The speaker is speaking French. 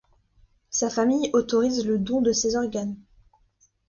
Sa famille autorise le don de ses organes.